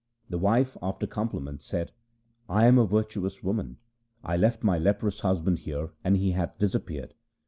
The wife after compliments said :' I am a virtuous woman. I left my leprous husband here and he hath disappeared.